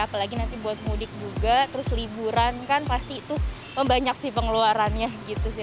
apalagi nanti buat mudik juga terus liburan kan pasti tuh membanyak sih pengeluarannya gitu sih